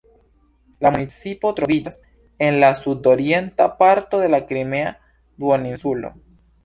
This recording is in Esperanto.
La municipo troviĝas en la sud-orienta parto de la Krimea duoninsulo.